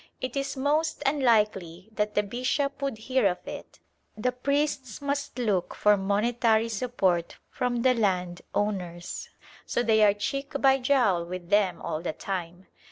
It is most unlikely that the bishop would hear of it. The priests must look for monetary support from the land owners, so they are cheek by jowl with them all the time.